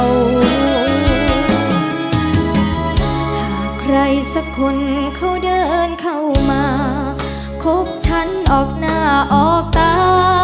ใครสักคนเขาเดินเข้ามาคบฉันออกหน้าออกตา